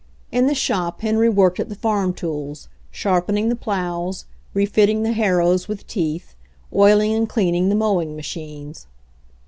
In the shop Henry worked at the farm tools, sharpen ing the plows, refitting the harrows with teeth, oiling and cleaning the mowing machines.